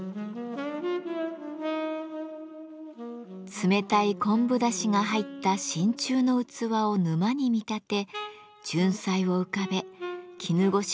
冷たい昆布だしが入った真鍮の器を沼に見立てじゅんさいを浮かべ絹ごし